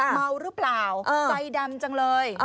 เมาหรือเปล่าใจดำจังเลย